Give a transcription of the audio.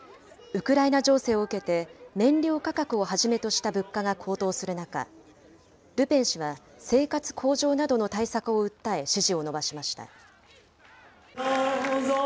ウクライナ情勢を受けて、燃料価格をはじめとした物価が高騰する中、ルペン氏は生活向上などの対策を訴え、支持を伸ばしました。